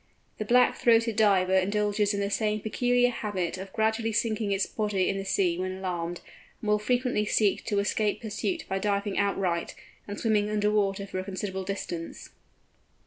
The Black throated Diver indulges in the same peculiar habit of gradually sinking its body in the sea when alarmed, and will frequently seek to escape pursuit by diving outright, and swimming under water for a considerable distance.